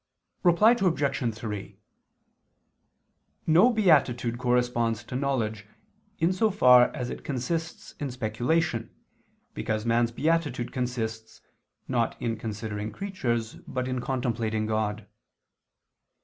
Reply Obj. 3: No beatitude corresponds to knowledge, in so far as it consists in speculation, because man's beatitude consists, not in considering creatures, but in contemplating God.